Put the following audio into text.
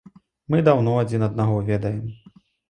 Мы даўно адзін аднаго ведаем.